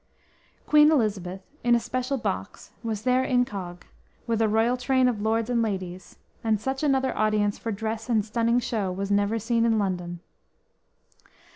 Queen Elizabeth, in a special box, was there incog, with a royal train of lords and ladies; and such another audience for dress and stunning show was never seen in London.